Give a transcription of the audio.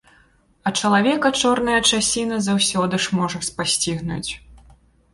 А чалавека чорная часіна заўсёды ж можа спасцігнуць.